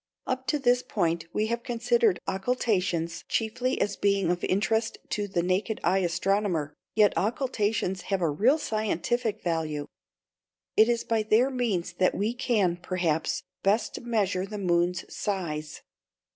Up to this point we have considered occultations chiefly as being of interest to the naked eye astronomer. Yet occultations have a real scientific value. It is by their means that we can, perhaps, best measure the moon's size.